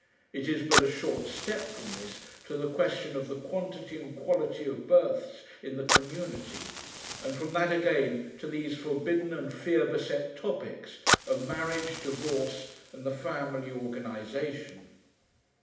It is but a short step from this to the question of the quantity and quality of births in the community, and from that again to these forbidden and fear beset topics of marriage, divorce, and the family organisation.